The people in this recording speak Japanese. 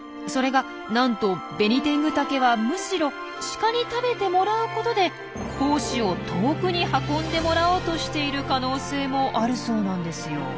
それがなんとベニテングタケはむしろシカに食べてもらうことで胞子を遠くに運んでもらおうとしている可能性もあるそうなんですよ。